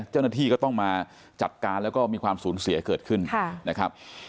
เจ้าหน้าที่ก็ต้องมาจัดการแล้วก็มีความสูญเสียเกิดขึ้นนะครับ